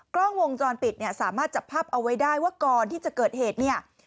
กล้องวงจรปิดเนี่ยสามารถจับภาพเอาไว้ได้ว่าก่อนที่จะเกิดเหตุเนี่ย